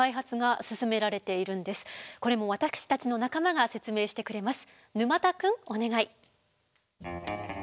これも私たちの仲間が説明してくれます。